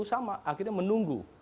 sama akhirnya menunggu